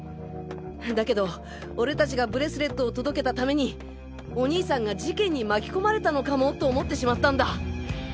だけど俺たちがブレスレットを届けたためにお兄さんが事件に巻き込まれたのかもと思ってしまったんだ。